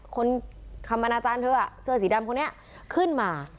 คนคำมณาจ้านเธอเสื้อสีดำพวกนี้ขึ้นมา